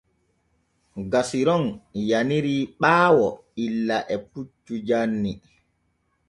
Gasiron yaniri ɓaayo illa e puccu janni.